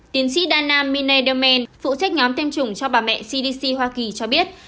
tiến sĩ đan nam mine delmen phụ trách nhóm tiêm chủng cho bà mẹ cdc hoa kỳ cho biết